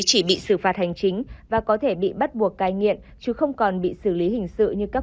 chỉ bị xử phạt hành chính và có thể bị bắt buộc cai nghiện chứ không còn bị xử lý hình sự như cấp